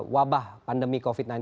wabah pandemi covid sembilan belas